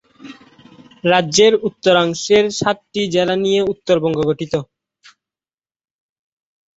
রাজ্যের উত্তরাংশের সাতটি জেলা নিয়ে উত্তরবঙ্গ গঠিত।